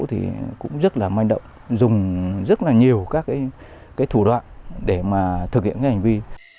thì cũng rất là manh động dùng rất là nhiều các thủ đoạn để thực hiện hành vi